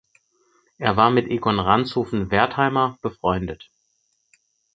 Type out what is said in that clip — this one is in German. Er war mit Egon Ranshofen-Wertheimer befreundet.